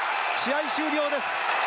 試合終了です。